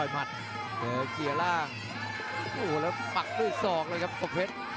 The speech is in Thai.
หมัดเจอเกียร์ล่างโอ้โหแล้วปักด้วยศอกเลยครับประเพชร